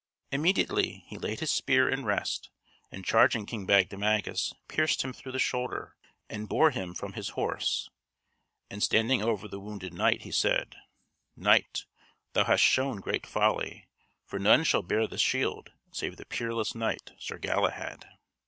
Immediately he laid his spear in rest and, charging King Bagdemagus, pierced him through the shoulder and bore him from his horse; and standing over the wounded knight, he said: "Knight, thou hast shown great folly, for none shall bear this shield save the peerless knight, Sir Galahad."